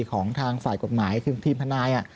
ของทางฝ่ายกฎหมายคือทีมทนาย